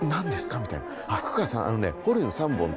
みたいな。